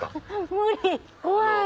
無理怖い。